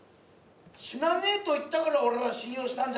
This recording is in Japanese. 死なねえと言ったから俺は信用したんじゃねえか。